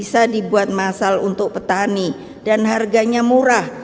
bisa dibuat masal untuk petani dan harganya murah